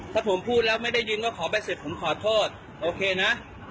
ถ้าผมพูดแล้วไม่ได้ยินก็ขอใบเสร็จผมขอโทษโอเคนะ